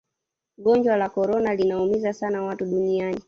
gonjwa la korona linaumiza sana watu duniani